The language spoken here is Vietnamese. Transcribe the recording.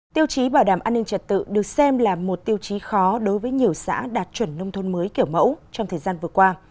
tiêu chí bảo đảm an ninh trật tự được xem là một tiêu chí khó đối với nhiều xã đạt chuẩn nông thôn mới kiểu mẫu trong thời gian vừa qua